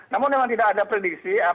namun memang tidak ada prediksi